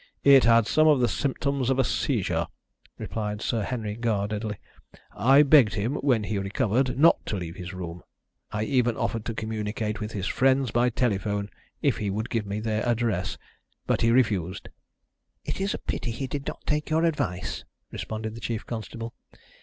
"It had some of the symptoms of a seizure," replied Sir Henry guardedly. "I begged him, when he recovered, not to leave his room. I even offered to communicate with his friends, by telephone, if he would give me their address, but he refused." "It is a pity he did not take your advice," responded the chief constable.